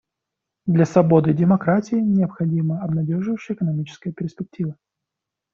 Для свободы и демократии необходима обнадеживающая экономическая перспектива.